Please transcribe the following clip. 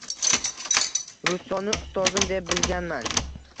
Russoni ustozim deb bilganman.